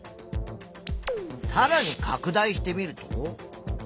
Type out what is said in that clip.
さらにかく大してみると。